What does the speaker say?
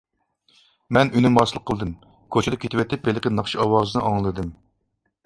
مەن ئۈنۈم ھاسىل قىلدىم. كوچىدا كېتىۋېتىپ ھېلىقى ناخشا ئاۋازىنى ئاڭلىدىم.